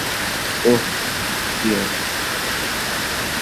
ওহ, প্রিয় ইশ্বর!